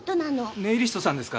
ネイリストさんですか。